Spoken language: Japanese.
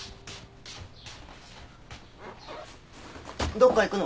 どっか行くの？